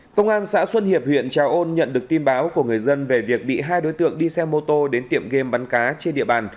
công an xã xuân hiệp huyện trà ôn nhận được tin báo của người dân về việc bị hai đối tượng đi xe mô tô đến tiệm game bắn cá trên địa bàn